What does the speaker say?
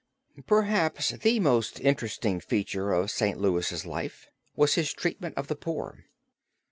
Perhaps the most interesting feature of St. Louis' life was his treatment of the poor.